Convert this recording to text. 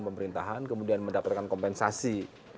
pemerintahan kemudian mendapatkan kompensasi